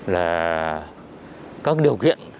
là các điều kiện